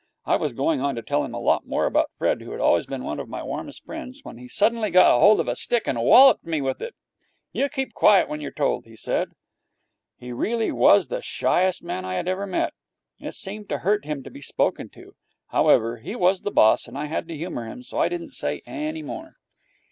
I was going on to tell him a lot more about Fred, who had always been one of my warmest friends, when he suddenly got hold of a stick and walloped me with it. 'You keep quiet when you're told,' he said. He really was the shyest man I had ever met. It seemed to hurt him to be spoken to. However, he was the boss, and I had to humour him, so I didn't say any more.